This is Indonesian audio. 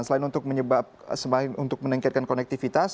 selain untuk menyebabkan untuk meningkatkan konektivitas